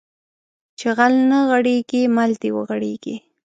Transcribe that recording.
چې غل نه غېړيږي مل د وغړيږي